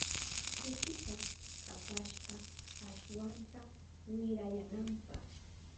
Kuchita kapashka ashwanta wirayananpa.